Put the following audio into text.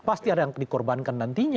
pasti ada yang dikorbankan nantinya